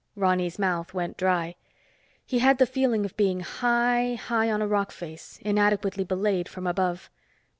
Ronny's mouth went dry. He had the feeling of being high, high on a rock face, inadequately belayed from above.